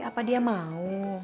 apa dia mau